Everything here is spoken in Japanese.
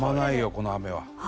この雨は。